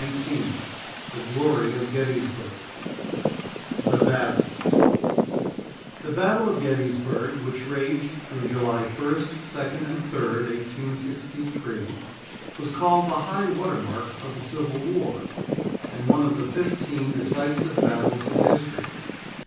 _" CHAPTER XIX THE GLORY OF GETTYSBURG THE BATTLE The Battle of Gettysburg, which raged through July 1st, 2nd and 3d, 1863, was called the "high water mark" of the Civil War, and one of the "fifteen decisive battles" of history.